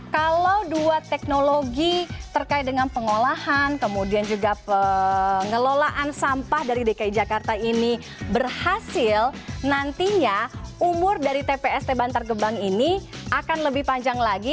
kalau dua teknologi terkait dengan pengolahan kemudian juga pengelolaan sampah dari dki jakarta ini berhasil nantinya umur dari tpst bantar gebang ini akan lebih panjang lagi